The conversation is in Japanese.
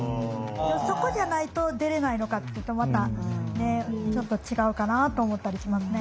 そこじゃないと出れないのかっていうとまたちょっと違うかなと思ったりしますね。